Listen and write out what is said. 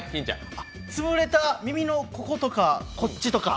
つぶれた耳のこことかこっちとか？